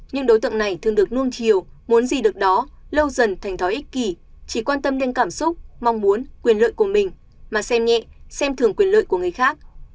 nhưng đối tượng này thường được nuông chiều muốn gì được đó lâu dần thành thói ích kỷ chỉ quan tâm đến cảm xúc mong muốn quyền lợi của mình mà xem nhẹ xem thường quyền lợi của người khác